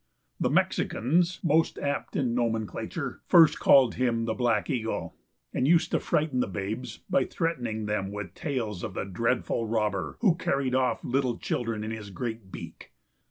The Mexicans, most apt in nomenclature, first called him The Black Eagle, and used to frighten the babes by threatening them with tales of the dreadful robber who carried off little children in his great beak.